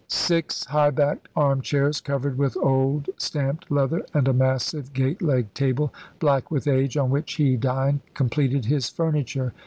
Six high backed arm chairs, covered with old stamped leather, and a massive gate legged table, black with age, on which he dined, completed his furniture.